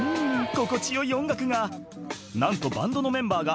心地よい音楽がなんとバンドのメンバーが